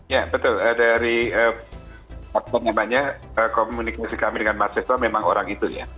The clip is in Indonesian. ya betul dari komunikasi kami dengan mahasiswa memang orang itu ya